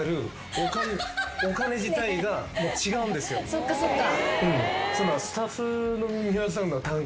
そっかそっか。